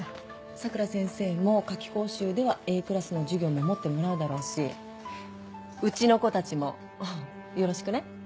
佐倉先生も夏期講習ではＡクラスの授業も持ってもらうだろうしうちの子たちもよろしくね。